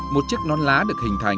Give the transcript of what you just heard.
một chiếc non lá được hình thành